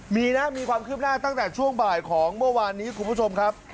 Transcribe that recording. มีนะมีความคืบหน้าตั้งแต่ช่วงบ่ายของเมื่อวานนี้คุณผู้ชมครับ